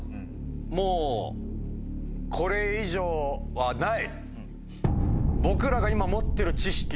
もうこれ以上はない。